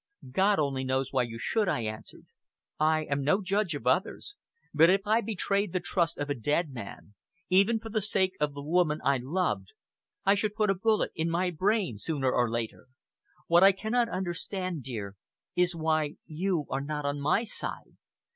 "God only knows why you should," I answered. "I am no judge of others; but if I betrayed the trust of a dead man, even for the sake of the woman I loved, I should put a bullet in my brain sooner or later. What I cannot understand, dear, is why you are not on my side.